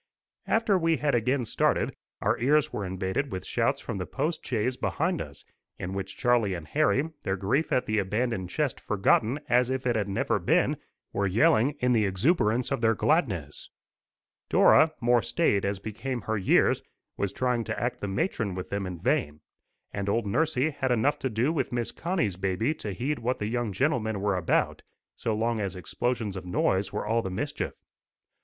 After we had again started, our ears were invaded with shouts from the post chaise behind us, in which Charlie and Harry, their grief at the abandoned chest forgotten as if it had never been, were yelling in the exuberance of their gladness. Dora, more staid as became her years, was trying to act the matron with them in vain, and old nursie had enough to do with Miss Connie's baby to heed what the young gentlemen were about, so long as explosions of noise was all the mischief.